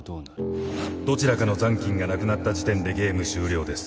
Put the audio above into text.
どちらかの残金が無くなった時点でゲーム終了です。